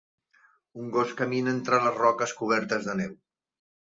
Un gos camina entre les roques cobertes de neu.